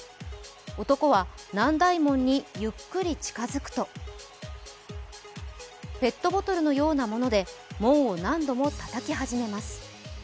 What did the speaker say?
男は南大門にゆっくり近づくとペットボトルのようなもので門を何度もたたき始めます。